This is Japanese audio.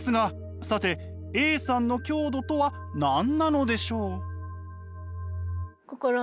さてＡさんの強度とは何なのでしょう？